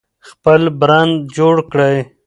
خپل برند جوړ کړئ.